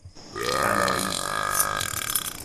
سنایی